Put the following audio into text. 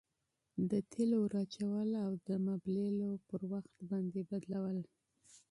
د تیلو ور اچول او د مبلایلو پر وخت باندي بدلول.